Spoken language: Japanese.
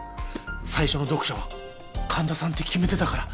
最初の読者は神田さんって決めてたから。